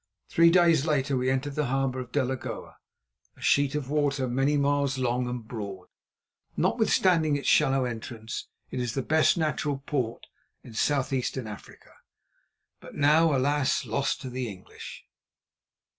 Three days later we entered the harbour of Delagoa, a sheet of water many miles long and broad. Notwithstanding its shallow entrance, it is the best natural port in Southeastern Africa, but now, alas! lost to the English.